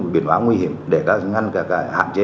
biển báo nguy hiểm để hạn chế